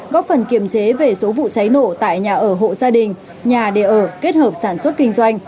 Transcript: góp phần kiềm chế về số vụ cháy nổ tại nhà ở hộ gia đình nhà đề ở kết hợp sản xuất kinh doanh